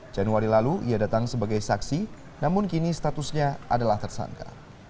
januari lalu ia datang sebagai saksi namun kini statusnya adalah tersangka